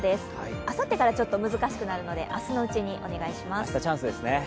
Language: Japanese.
あさってからちょっと難しくなるので、明日のうちにお願いします。